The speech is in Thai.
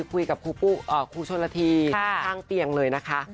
คุยกับครูชนละทีข้างเตียงเลยนะคะ